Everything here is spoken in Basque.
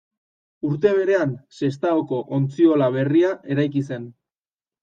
Urte berean, Sestaoko ontziola berria eraiki zen.